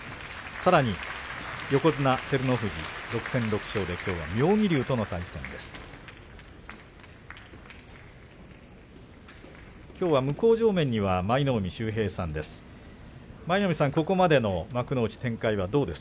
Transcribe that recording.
さらに横綱照ノ富士６戦全勝できょうの対戦は妙義龍です。